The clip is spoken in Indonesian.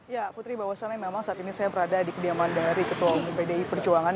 ya putri bahwasannya memang saat ini saya berada di kediaman dari ketua umum pdi perjuangan